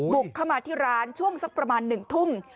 บุกเข้ามาที่ร้านช่วงสักประมาณ๑ทุ่ม